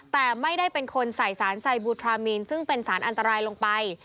แต่ไม่ได้เป็นคนใส่สารไซบูทรามีนซึ่งเป็นสารอันตรายลงไป